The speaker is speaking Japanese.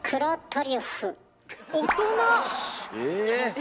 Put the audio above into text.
え？